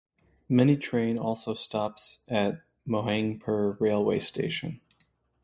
Many train also stops at Sohagpur Railway Station.